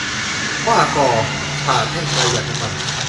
'หว้ากอ' ผ่าแท่งประหยัดน้ำมัน